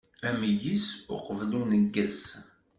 Ameyyez uqbel uneggez!